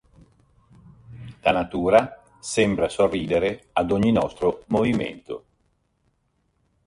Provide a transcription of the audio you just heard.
La natura sembra sorridere ad ogni nostro movimento.